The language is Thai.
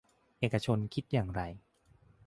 เอกชนคิดอย่างไร